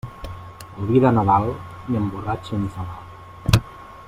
El vi de Nadal ni emborratxa ni fa mal.